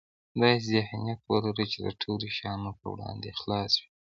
داسې ذهنيت ولره چې د ټولو شیانو په وړاندې خلاص وي.